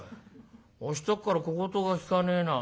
明日っから小言がきかねえな。